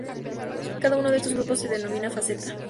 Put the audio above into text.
Cada uno de estos grupos se denomina faceta.